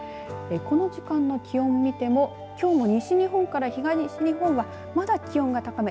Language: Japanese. この時間の気温を見てもきょうも、西日本から東日本がまだ気温が高め。